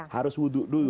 harus wuduk dulu